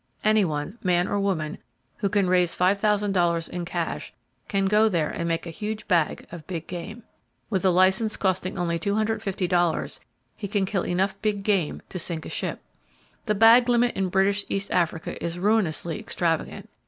Anyone, man or woman, who can raise $5,000 in cash can go there and make a huge "bag" of big game. With a license costing only $250 he can kill enough big game to sink a ship. The bag limit in British East Africa is ruinously extravagant.